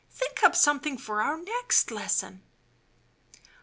Think up something for our next lesson."